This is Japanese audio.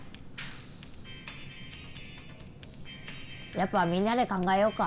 やっぱみんなで考えようか。